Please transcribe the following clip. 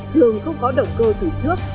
thường không có động cơ từ trước